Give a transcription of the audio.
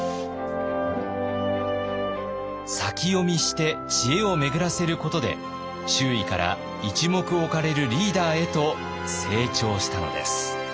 先読みして知恵を巡らせることで周囲から一目置かれるリーダーへと成長したのです。